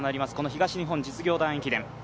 東日本実業団駅伝。